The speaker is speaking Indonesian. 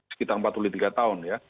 sekitar empat puluh tiga tahun ya